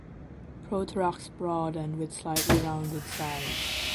Prothorax broad and with slightly rounded sides.